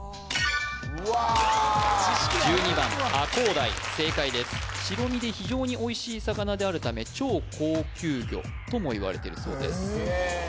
こうだい正解です白身で非常においしい魚であるため超高級魚ともいわれてるそうです